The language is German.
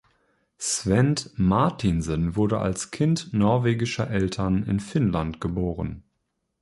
Svend Martinsen wurde als Kind norwegischer Eltern in Finnland geboren.